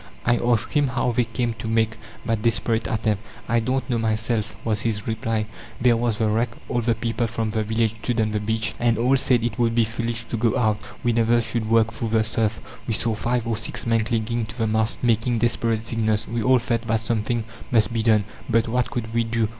I asked him, how they came to make that desperate attempt? "I don't know myself," was his reply." There was the wreck; all the people from the village stood on the beach, and all said it would be foolish to go out; we never should work through the surf. We saw five or six men clinging to the mast, making desperate signals. We all felt that something must be done, but what could we do?